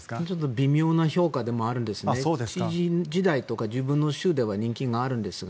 微妙な評価でもあるんですが、知事時代とか自分の州では人気があるんですが。